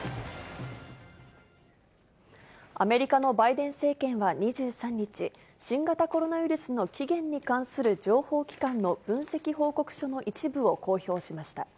アメリカのバイデン政権は２３日、新型コロナウイルスの起源に関する情報機関の分析報告書の一部を公表しました。